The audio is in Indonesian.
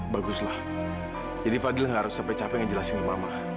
baguslah jadi fadil nggak harus capek capek ngejelasin mama